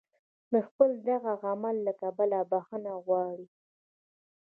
د خپل دغه عمل له کبله بخښنه وغواړي.